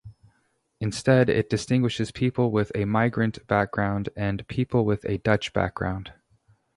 Instead, it distinguishes people with a migrant background and people with a Dutch background.